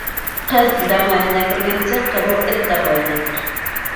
Ҡыҙ дәғүәһенә кергәнсе, ҡыҙыл эт дәғүәһенә кер.